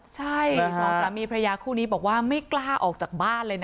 ใช่สองสามีพระยาคู่นี้บอกว่าไม่กล้าออกจากบ้านเลยนะ